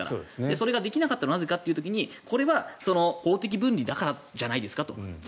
それができなかったのはなぜかといった時にこれは法的分離だからじゃないですかと。